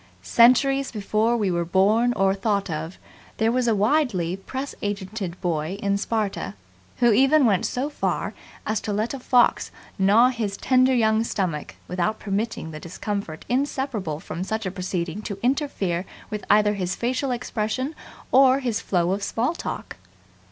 Centuries before we were born or thought of there was a widely press agented boy in Sparta who even went so far as to let a fox gnaw his tender young stomach without permitting the discomfort inseparable from such a proceeding to interfere with either his facial expression or his flow of small talk.